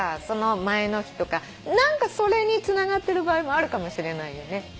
その前の日とか何かそれにつながってる場合もあるかもしれないよね。